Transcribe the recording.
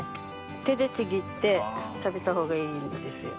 手でちぎって食べた方がいいんですよ。